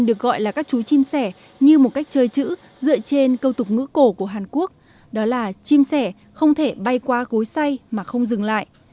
dựa trên câu tục ngữ cổ của hàn quốc đó là chim sẻ không thể bay qua cối xay mà không dừng lại